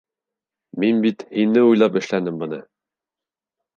Мин бит һине уйлап эшләнем быны.